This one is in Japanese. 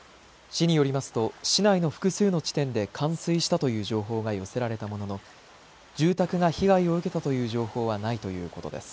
市によりますと市内の複数の地点で冠水したという情報が寄せられたものの住宅が被害を受けたという情報はないということです。